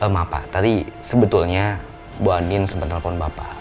ma'am pak tadi sebetulnya bu andien sempet telepon bapak